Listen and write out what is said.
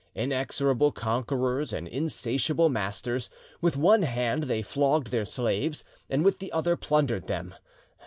Inexorable conquerors and insatiable masters, with one hand they flogged their slaves and with the other plundered them.